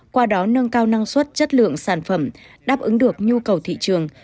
qua đó nâng cao năng suất chất lượng sản phẩm đáp ứng được nhu cầu thị trường